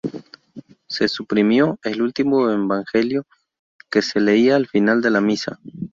Se suprimió el "Último evangelio" que se leía al final de la misa.